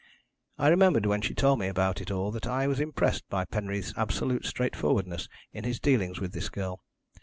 I remembered when she told me about it all that I was impressed by Penreath's absolute straightforwardness in his dealings with this girl.